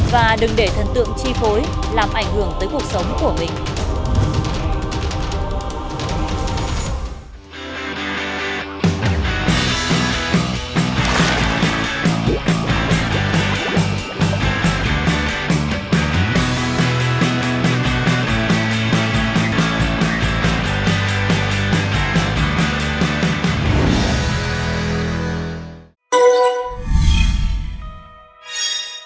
và đừng để thần tượng chi phối làm ảnh hưởng tới cuộc sống của mình